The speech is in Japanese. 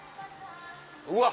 うわ。